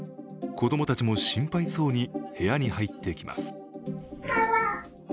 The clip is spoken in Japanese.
子供たちも心配そうに部屋に入ってきます。